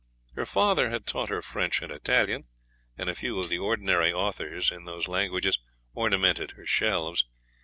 Her father had taught her French and Italian, and a few of the ordinary authors in those languages ornamented her shelves.